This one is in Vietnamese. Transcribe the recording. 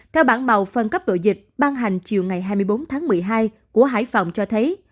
theo bản màu phân cấp độ dịch ban hành chiều ngày hai mươi bốn tháng một mươi hai của hải phòng cho thấy